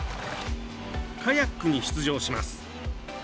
カヤックに出場します。